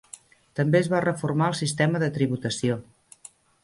També es va reformar el sistema de tributació.